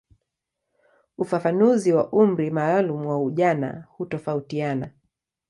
Ufafanuzi wa umri maalumu wa ujana hutofautiana.